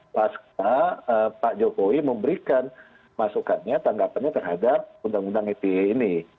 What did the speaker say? pas pak jokowi memberikan tanggapan terhadap undang undang ipa ini